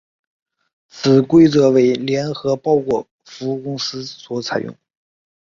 此规则为联合包裹服务公司所采用。